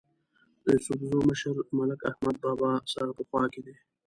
د یوسفزو مشر ملک احمد بابا سره په خوا کې دی.